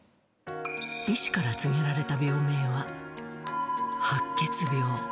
医師から告げられた病名は、白血病。